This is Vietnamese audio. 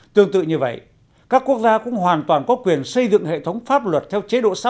tương tự như vậy các quốc gia cũng hoàn toàn có quyền xây dựng hệ thống pháp luật theo chế độ xã hội